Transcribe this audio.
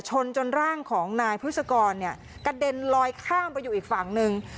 ชนจนร่างของนายพฤษกรเนี่ยกระเด็นลอยข้ามไปอยู่อีกฝั่งหนึ่ง